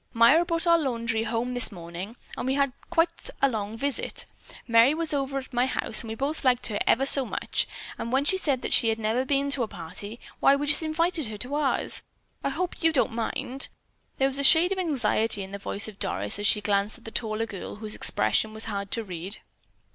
"Myra brought our laundry home this morning, and we had quite a long visit. Merry was over at my house, and we both liked her ever so much, and when she said that she had never been to a party, why we just invited her to ours. I hope you don't mind." There was a shade of anxiety in the voice of Doris as she glanced at the taller girl, whose expression was hard to read.